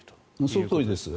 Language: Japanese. そのとおりです。